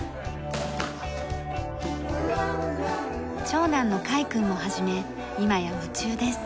長男の櫂くんも始め今や夢中です。